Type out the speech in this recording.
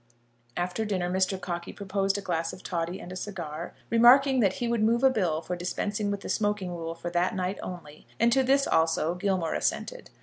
After dinner Mr. Cockey proposed a glass of toddy and a cigar, remarking that he would move a bill for dispensing with the smoking rule for that night only, and to this also Gilmore assented.